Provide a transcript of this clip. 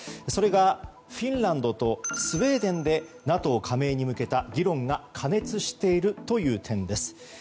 それがフィンランドとスウェーデンでＮＡＴＯ加盟に向けた議論が過熱しているという点です。